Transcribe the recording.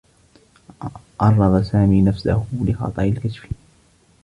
عرّض سامي نفسه لخطر الكشف.